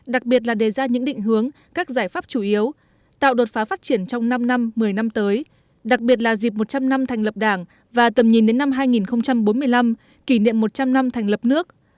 đặc biệt là đề ra những định hướng các giải pháp chủ yếu tạo đột phá phát triển trong năm năm một mươi năm tới đặc biệt là dịp một trăm linh năm thành lập đảng và tầm nhìn đến năm hai nghìn bốn mươi năm kỷ niệm một trăm linh năm thành lập nước